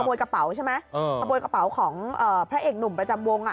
วยกระเป๋าใช่ไหมขโมยกระเป๋าของพระเอกหนุ่มประจำวงอ่ะ